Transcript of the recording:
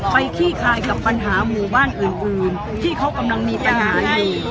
ไปคี่คลายกับปัญหาหมู่บ้านอื่นอื่นที่เขากำลังมีตรงอันนี้